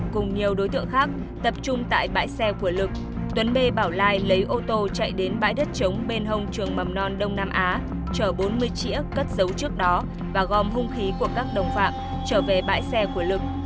chở bốn mươi trĩa cất dấu trước đó và gom hung khí của các đồng phạm trở về bãi xe của lực